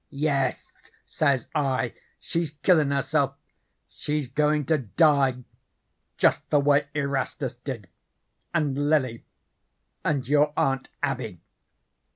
"'Yes,' says I, 'she's killin' herself. She's goin' to die just the way Erastus did, and Lily, and your Aunt Abby.